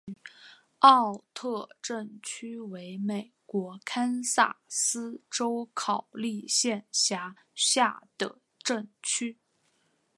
奥特镇区为美国堪萨斯州考利县辖下的镇区。